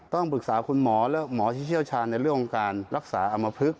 ต้องปรึกษาคุณหมอและหมอที่เชี่ยวชาญในเรื่องของการรักษาอำมพลึก